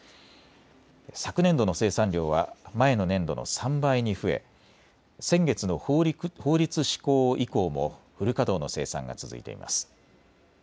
昨年度の生産量は前の年度の３倍に増え、先月の法律施行以降もフル稼働の生産が続いています。